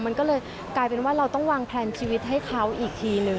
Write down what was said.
มันก็เลยกลายเป็นว่าเราต้องวางแพลนชีวิตให้เขาอีกทีนึง